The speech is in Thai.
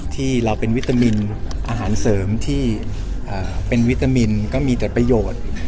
ที่เราเป็นวิตามินอาหารเสริมที่เป็นวิตามินก็มีแต่ประโยชน์